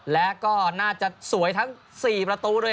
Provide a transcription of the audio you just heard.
และก็น่าจะสวยทั้ง๔ประตูด้วย